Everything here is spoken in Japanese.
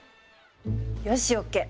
よしＯＫ！